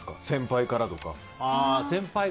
先輩からとか。